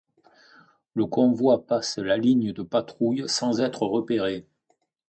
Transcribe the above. Le convoi passe la ligne de patrouille sans être repéré.